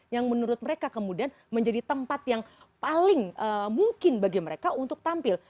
yang menurut mereka kemudian menjadi tempat yang paling mungkin bagi mereka untuk tampil